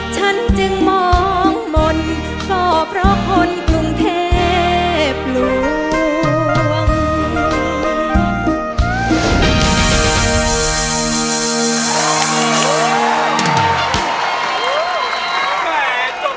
ฉันจึงมองมนต์ก็เพราะคนกรุงเทพลวง